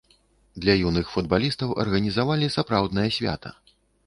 Для юных футбалістаў арганізавалі сапраўднае свята.